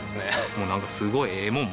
もうなんかすごいええもん